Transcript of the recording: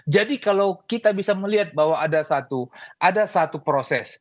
jadi kalau kita bisa melihat bahwa ada satu ada satu proses